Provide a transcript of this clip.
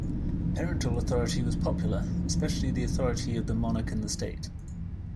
Parental authority was popular, especially the authority of the monarch and the state.